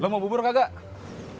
lu mau bubur kagak